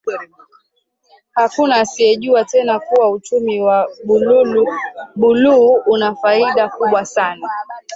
Hakuna asiyejua tena kuwa uchumi wa buluu una faida kubwa sana